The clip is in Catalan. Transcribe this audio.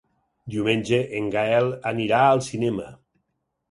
Diumenge en Gaël anirà al cinema.